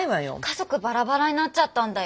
家族バラバラになっちゃったんだよ。